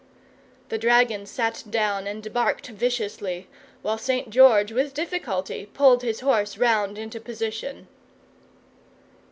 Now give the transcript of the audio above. The dragon sat down and barked viciously, while St. George with difficulty pulled his horse round into position.